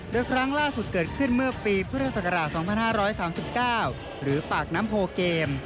โดยครั้งล่าสุดเกิดขึ้นเมื่อปีพุทธศักราช๒๕๓๙หรือปากน้ำโพเกม